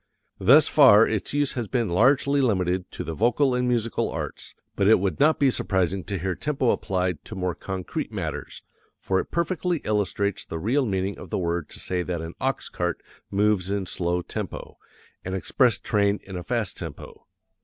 Thus far its use has been largely limited to the vocal and musical arts, but it would not be surprising to hear tempo applied to more concrete matters, for it perfectly illustrates the real meaning of the word to say that an ox cart moves in slow tempo, an express train in a fast tempo.